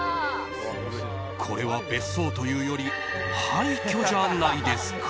これは別荘というより廃虚じゃないですか？